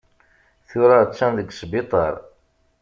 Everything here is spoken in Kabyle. Tura attan deg sbiṭar.